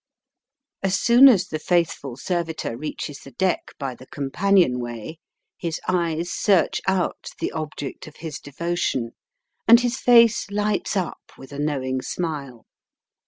As soon as the faithful servitor reaches the deck by the companion way, his eyes search out the object of his devotion, and his face lights up with a knowing smile.